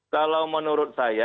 kalau menurut saya